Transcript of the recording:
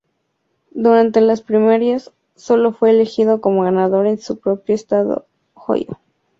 Durante las primarias solo fue elegido como ganador en su propio estado Ohio.